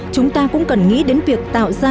chúng ta cũng cần nghĩ đến việc tạo ra